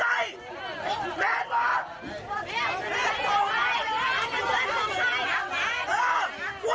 วันเตียงงานเดือนไข่